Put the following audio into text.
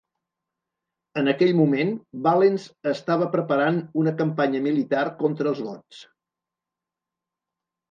En aquell moment, Valens estava preparant una campanya militar contra els Goths.